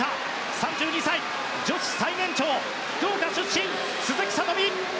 ３２歳、女子最年長福岡出身、鈴木聡美。